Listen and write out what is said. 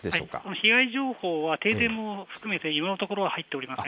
被害情報は、停電を含めて、今のところは入っておりません。